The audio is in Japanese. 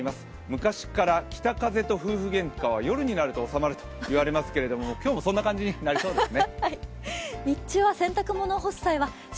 昔から北風と夫婦げんかは夜になると収まると言われますけど今日もそんな感じになりそうですね。